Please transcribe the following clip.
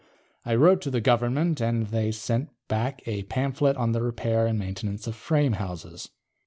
I wrote to the Government, and they sent back a pamphlet on the repair and maintenance of frame houses.